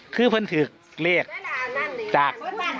คือเพิ่มถือเลขจาก